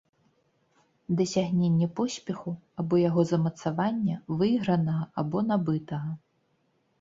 Дасягненне поспеху або яго замацавання, выйгранага або набытага.